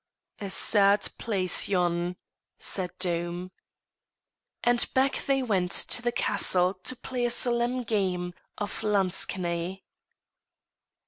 "A sad place yon!" said Doom. And back they went to the castle to play a solemn game of lansquenet.